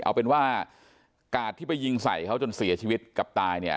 เอาเป็นว่ากาดที่ไปยิงใส่เขาจนเสียชีวิตกับตายเนี่ย